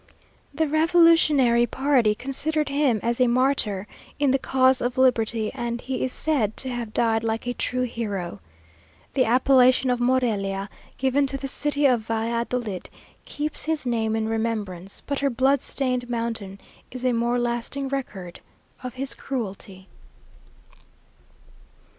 The revolutionary party considered him as a martyr in the cause of liberty, and he is said to have died like a true hero. The appellation of Morelia, given to the city of Valladolid, keeps his name in remembrance, but her blood stained mountain is a more lasting record of his cruelty.